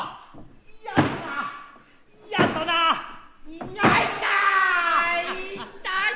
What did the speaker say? いたいいたい。